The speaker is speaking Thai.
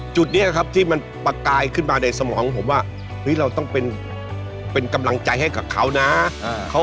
จุดนี้ครับที่มันประกายขึ้นมาในสมองผมว่าเฮ้ยเราต้องเป็นกำลังใจให้กับเขานะ